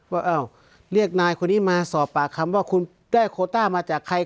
ว่าเรียกนายคนนี้มาสอบปากคำว่าคุณได้โคต้ามาจากใคร